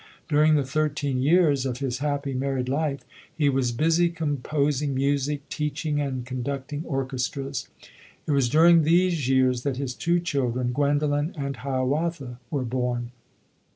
During the thirteen years of his happy married life, he was busy composing music, teaching and conducting orchestras. It SAMUEL COLERIDGE TAYLOR [ 147 was during these years that his two children Gwendolen and Hiawatha were born.